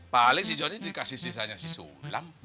paling si joni dikasih sisanya si sulam